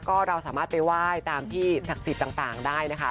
ก็เราสามารถไปไหว้ตามที่ศักดิ์สิทธิ์ต่างได้นะคะ